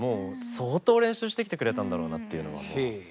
相当練習してきてくれたんだろうなっていうのははい。